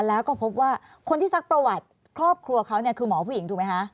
แล้วก็พบว่าคนที่ซักประวัติครอบครัวเขาเนี่ยคือหมอผู้หญิงถูกไหมคะ